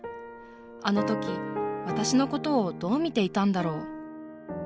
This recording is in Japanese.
あの時私のことをどう見ていたんだろう。